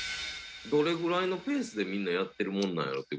どれぐらいのペースでみんなやってるもんなんやろって。